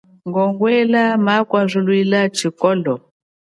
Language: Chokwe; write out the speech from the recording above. Ngongwela makwazuluila tshikolo.